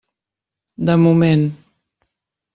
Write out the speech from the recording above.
De moment.